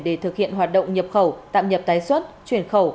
để thực hiện hoạt động nhập khẩu tạm nhập tái xuất chuyển khẩu